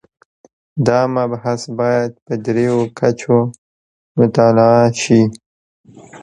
دا مبحث باید په درېیو کچو مطالعه شي.